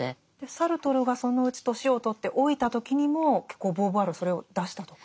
サルトルがそのうち年を取って老いた時にも結構ボーヴォワールはそれを出したとか。